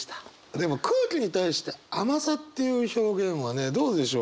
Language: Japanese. でも空気に対して「甘さ」っていう表現はねどうでしょう？